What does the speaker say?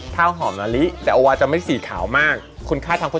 ข้าวหอมนาลีแต่โอวาจะไม่สีขาวมาก